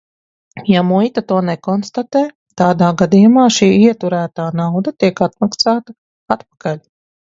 Ja muita to nekonstatē, tādā gadījumā šī ieturētā nauda tiek atmaksāta atpakaļ.